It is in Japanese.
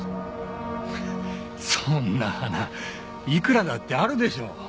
フッそんな花いくらだってあるでしょう。